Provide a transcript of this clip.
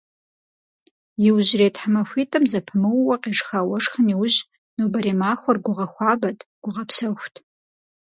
Иужьрей тхьэмахуитӏым зэпымыууэ къешха уэшхым иужь, нобэрей махуэр гугъэхуабэт, гугъэпсэхут.